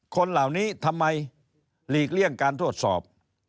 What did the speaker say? คนเหล่านี้ทำไมหลีกเลี่ยงการทดสอบ